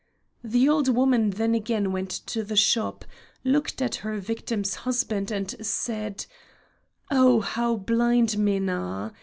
The old woman then again went to the shop, looked at her victim's husband, and said: "Oh! how blind men are!